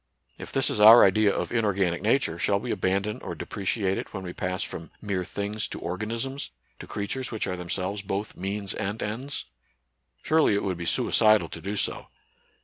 If this is our idea of inorganic nature, shall we abandon or depreciate it when we pass from mere things to organisms, to creatures which are themselves both means and ends ? Surely it would be sui cidal to do so.